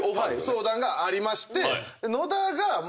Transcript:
相談がありまして。